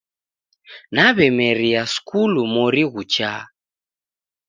Naw'emeria skulu mori ghuchaa